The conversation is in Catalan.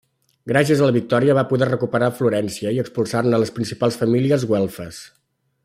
Gràcies a la victòria va poder recuperar Florència i expulsar-ne les principals famílies güelfes.